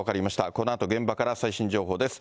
このあと現場から最新情報です。